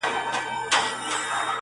• ستا د خولې سا.